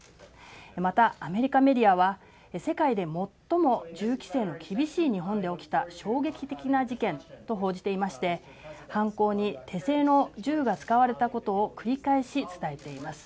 またアメリカメディアは世界で最も銃規制の厳しい日本で起きた衝撃的な事件と報じていまして犯行に手製の銃が使われたことを繰り返し伝えています。